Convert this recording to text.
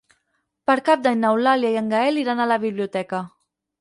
Per Cap d'Any n'Eulàlia i en Gaël iran a la biblioteca.